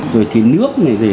rồi thì nước này